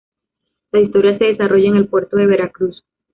La historia se desarrolla en el puerto de Veracruz.